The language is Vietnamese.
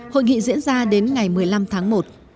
hội nghị diễn ra đến ngày một mươi năm tháng một